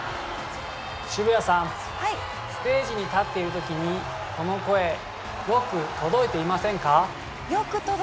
渋谷さんステージに立っている時にこの声よく届いていませんか？